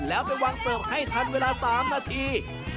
แล้วไปวางเสิร์ฟให้ทันเวลา๓นาที